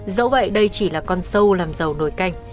dẫu vậy đây chỉ là con sâu làm dầu nổi canh